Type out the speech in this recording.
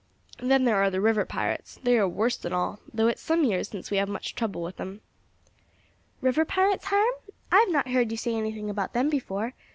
Then there are the river pirates; they are worse than all, though it's some years since we had much trouble with 'em." "River pirates, Hiram? I have not heard you say anything about them before.